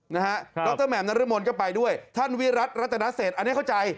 ดรแหม่มนรมนก็ไปด้วยท่านวิรัติรัตนเศษอันนี้เข้าใจ